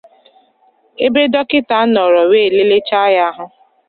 ebe dọkịta nọrọ wee lelechaa ya ahụ